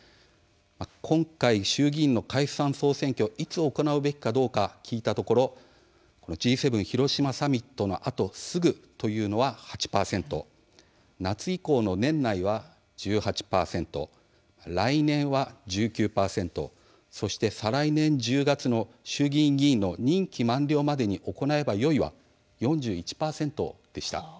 今回、衆議院の解散・総選挙をいつ行うべきか聞いたところＧ７広島サミットのあとすぐというのは８％夏以降の年内は１８％来年は１９％そして再来年１０月の衆議院議員の任期満了までに行えばよいは４１％でした。